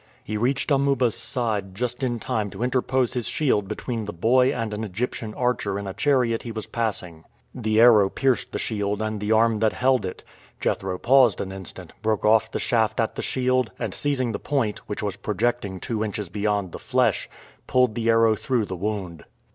He reached Amuba's side just in time to interpose his shield between the boy and an Egyptian archer in a chariot he was passing. The arrow pierced the shield and the arm that held it. Jethro paused an instant, broke off the shaft at the shield, and seizing the point, which was projecting two inches beyond the flesh, pulled the arrow through the wound.